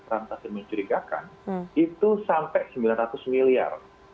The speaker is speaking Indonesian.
rantasi mencurigakan itu sampai sembilan ratus miliar